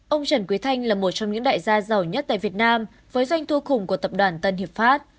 ông trần quý thanh là một trong những đại gia giàu nhất tại việt nam với doanh thua khủng của tập đoàn tân hiệp pháp